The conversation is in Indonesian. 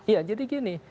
ya jadi gini